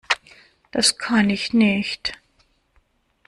Das kann ich nicht.